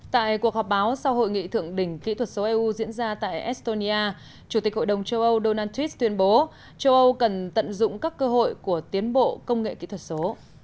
tại cuộc họp báo sau hội nghị thượng đỉnh kỹ thuật số eu diễn ra tại estonia chủ tịch hội đồng châu âu donald trump tuyên bố châu âu cần tận dụng các cơ hội của tiến bộ công nghệ kỹ thuật số